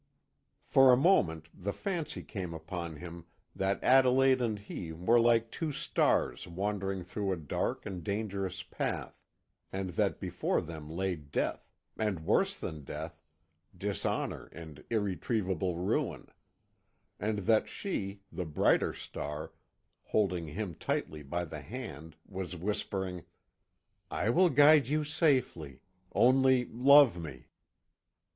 For a moment the fancy came upon him that Adelaide and he were like two stars wandering through a dark and dangerous path, and that before them lay death, and worse than death dishonour and irretrievable ruin; and that she, the brighter star, holding him tightly by the hand, was whispering: "I will guide you safely; only love me!"